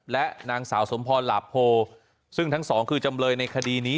และนางสาวสมพรหลาโพซึ่งทั้งสองคือจำเลยในคดีนี้